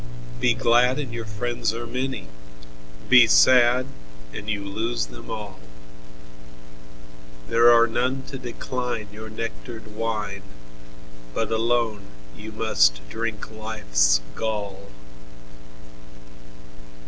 Be glad, and your friends are many; Be sad, and you lose them all. There are none to decline your nectared wine, But alone you must drink life's gall.